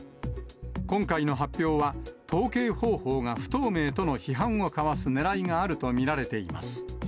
今回の発表は、統計方法が不透明との批判をかわすねらいがあると見られています。